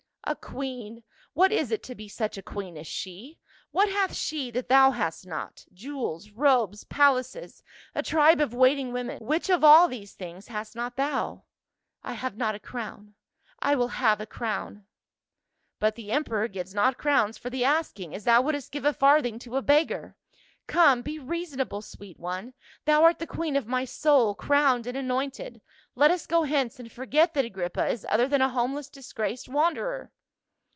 "A queen ! what is it to be such a queen as she? What hath she that thou hast not, jewels, robes, palaces, a tribe of waiting women — which of all these things hast not thou ?"" I have not a crown. I will have a crown." " But the emperor gives not crowns for the asking, as thou wouldst give a farthing to a beggar. Come, be reasonable, sweet one, thou art the queen of my soul, crowned and anointed. Let us go hence and forget that Agrippa is other than a homeless disgraced wanderer."